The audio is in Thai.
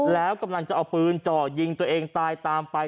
แล้วกำลังจะเอาปืนจ่อยิงตัวเองตายตามไป